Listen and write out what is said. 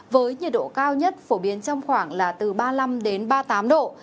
với nhiệt độ cao nhất phổ biến trong khoảng là từ ba mươi năm đến ba mươi tám độ